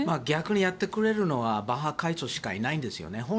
逆にやってくれるのはバッハ会長しかいないんですよね。